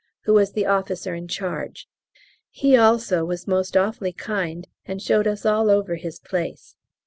who was the officer in charge. He also was most awfully kind and showed us all over his place.